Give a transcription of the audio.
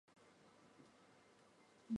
主要岛屿为萨拉米斯岛。